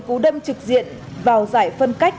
cứu đâm trực diện vào dạy phân cách